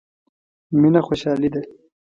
مينه خوشالي ده.